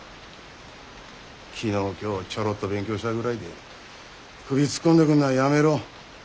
昨日今日ちょろっと勉強したぐらいで首突っ込んでくんのはやめろ。